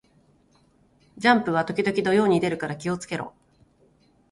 ジャンプは時々土曜に出るから気を付けろ